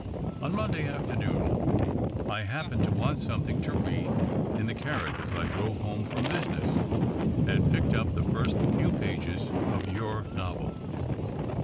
On Monday afternoon, I happened to want some thing to read in the carriage as I drove home from business, and picked up the first few pages of your novel.